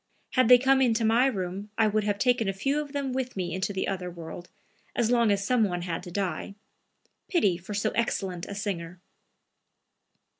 Had they come into my room, I would have taken a few of them with me into the other world, as long as some one had to die. Pity for so excellent a singer!"